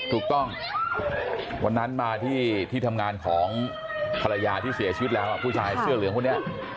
วันนั้นมาที่ที่ทำงานของภรรยาที่เสียชีวิตแล้วผู้ชายเสื้อเหลืองคนนี้